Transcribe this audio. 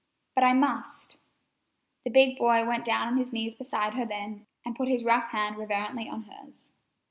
But I must——" The big boy went down on his knees beside her then, and put his rough hand reverently on hers.